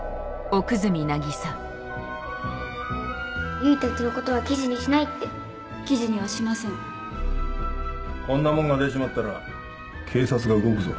唯たちのことは記事にしないって記事にはしませんこんなもんが出ちまったら警察が動くぞ。